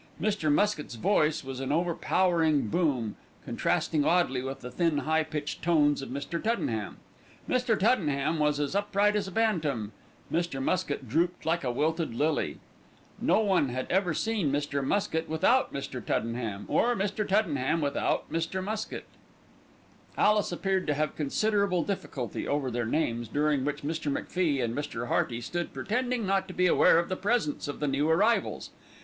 Mr. Muskett's voice was an overpowering boom, contrasting oddly with the thin, high pitched notes of Mr. Tuddenham. Mr. Tuddenham was as upright as a bantam; Mr. Muskett drooped like a wilted lily. No one had ever seen Mr. Muskett without Mr. Tuddenham, or Mr. Tuddenham without Mr. Muskett. Alice appeared to have considerable difficulty over their names, during which Mr. MacFie and Mr. Hearty stood pretending not to be aware of the presence of the new arrivals.